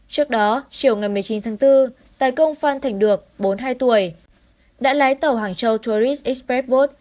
trước đó chiều ngày một mươi chín tháng bốn tài công phan thành được bốn mươi hai tuổi đã lái tàu hàng châu tour express bot